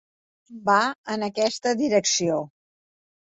Va en aquesta direcció.